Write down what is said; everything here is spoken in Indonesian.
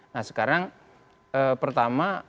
nah sekarang pertama